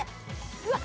うわっ！